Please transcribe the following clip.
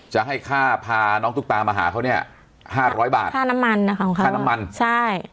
จะให้ข้าทาน้องตุ๊กตามาหาเขาเนี่ย๕๐๐บาทข้าน้ำมันข้าน้ำมันใช่